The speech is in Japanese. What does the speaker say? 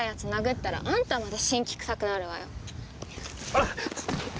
あっ！